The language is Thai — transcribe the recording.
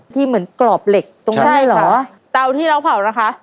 ที่เหมือนกรอบเหล็กตรงนั้นใช่เหรอเตาที่เราเผานะคะ